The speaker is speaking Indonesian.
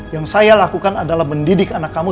yang saya lakukan adalah mendidik anak kamu